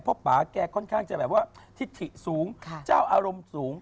เพราะป่าแกค่อนข้างจะแบบว่าทิศถิสูงเจ้าอารมณ์สูง